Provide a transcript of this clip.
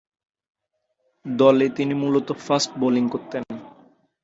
দলে তিনি মূলতঃ ফাস্ট বোলিং করতেন।